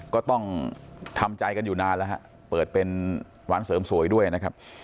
ก็ต้องทำใจกันอยู่นานแล้วฮะเปิดเป็นร้านเสริมสวยด้วยนะครับ